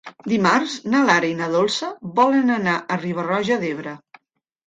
Dimarts na Lara i na Dolça volen anar a Riba-roja d'Ebre.